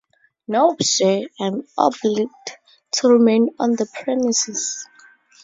No, sir, I am obliged to remain on the premises.